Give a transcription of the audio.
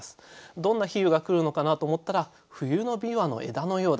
どんな比喩が来るのかなと思ったら「冬の枇杷の枝のようだ」と。